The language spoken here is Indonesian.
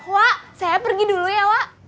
wah saya pergi dulu ya wak